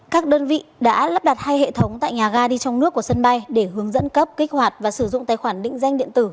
các đơn vị đã lắp đặt hai hệ thống tại nhà ga đi trong nước của sân bay để hướng dẫn cấp kích hoạt và sử dụng tài khoản định danh điện tử